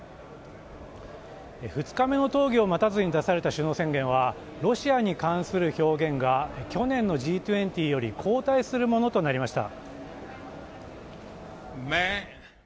２日目の討議を待たずに出された首脳宣言はロシアに関する表現が去年のＧ２０より後退するものとなりました。